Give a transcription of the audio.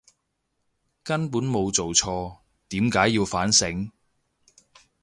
根本都冇做錯，點解要反省！